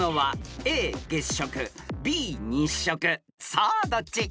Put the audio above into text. ［さあどっち？］